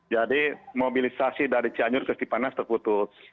jadi mobilisasi dari cianjur ke cipanas terputus